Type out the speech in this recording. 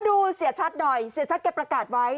เสียชัดหน่อยเสียชัดแกประกาศไว้